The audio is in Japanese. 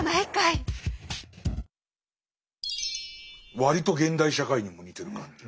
割と現代社会にも似てる感じ。